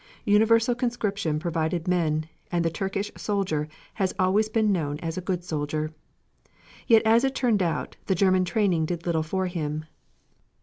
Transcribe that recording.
Universal conscription provided men, and the Turkish soldier has always been known as a good soldier. Yet as it turned out the German training did little for him.